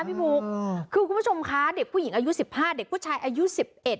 พี่บุ๊คคือคุณผู้ชมคะเด็กผู้หญิงอายุสิบห้าเด็กผู้ชายอายุสิบเอ็ด